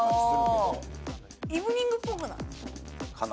イブニングっぽくない？かな？